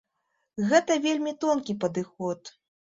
Гэта вельмі тонкі падыход.